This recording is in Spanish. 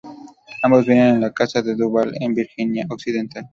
Ambos viven en la casa de Duvall en Virginia Occidental.